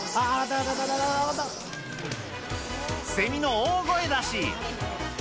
セミの大声出し。